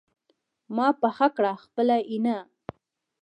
ما پخه کړه خپله ينه